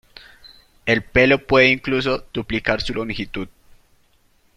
El pelo puede incluso duplicar su longitud.